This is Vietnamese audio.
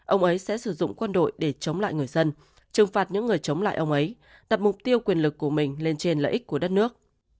ông ấy sẽ sử dụng quân đội để chống lại người dân trừng phạt những người chống lại ông ấy đặt mục tiêu quyền lực của mình lên trên lợi ích của đất nước